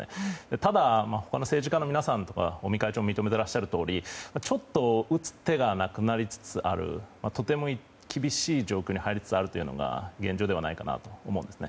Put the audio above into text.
ただ、他の政治家の皆さんや尾身会長も認めていらっしゃるとおりちょっと打つ手がなくなりつつあるとても厳しい状況に入りつつあるというのが現状ではないかなと思うんですね。